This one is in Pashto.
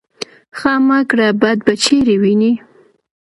ـ ښه مه کړه بد به چېرې وينې.